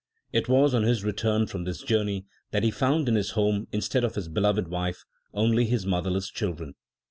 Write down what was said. It was on his return from this journey that he found in his home, instead of his beloved wife, only his motherless children.